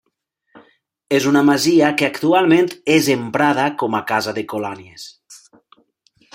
És una masia que actualment és emprada com a casa de colònies.